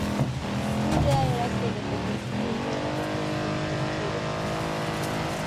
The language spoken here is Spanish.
Su idea era que el envejecimiento era una cuestión de descuido.